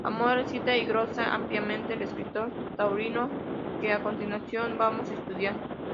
Amorós cita y glosa ampliamente al escritor taurino que a continuación vamos a estudiar.